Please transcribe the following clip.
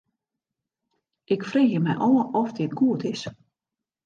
Ik freegje my ôf oft dit goed is.